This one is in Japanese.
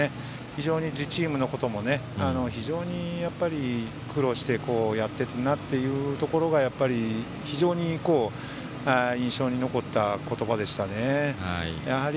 非常に自チームのことも苦労してやっているなというところが非常に印象に残った言葉でしたね。